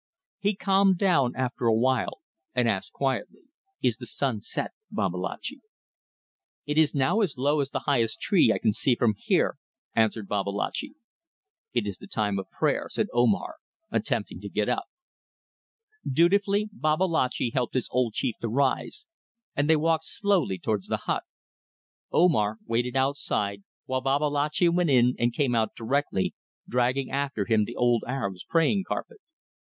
He calmed down after a while, and asked quietly "Is the sun set, Babalatchi?" "It is now as low as the highest tree I can see from here," answered Babalatchi. "It is the time of prayer," said Omar, attempting to get up. Dutifully Babalatchi helped his old chief to rise, and they walked slowly towards the hut. Omar waited outside, while Babalatchi went in and came out directly, dragging after him the old Arab's praying carpet.